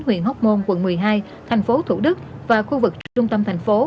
huyện hóc môn quận một mươi hai tp thủ đức và khu vực trung tâm tp